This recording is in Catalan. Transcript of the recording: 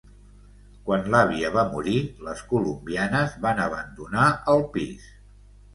Quan l'àvia va morir, les colombianes van abandonar el pis.